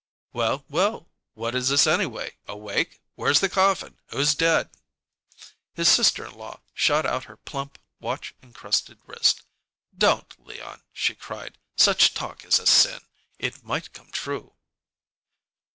"Well, well, what is this, anyway, a wake? Where's the coffin? Who's dead?" His sister in law shot out her plump, watch encrusted wrist. "Don't, Leon!" she cried. "Such talk is a sin! It might come true."